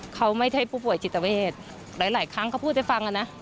เขาไม่ใช่ผู้ป่วยจิตเวทหลายครั้งเขาพูดให้ฟังนะ